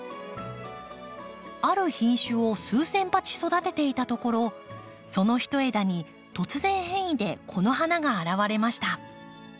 ある品種を数千鉢育てていたところその一枝に突然変異でこの花が現れました。